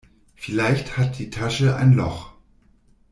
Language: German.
Vielleicht hat die Tasche ein Loch.